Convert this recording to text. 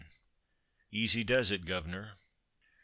"EASY DOES IT, GUVNER."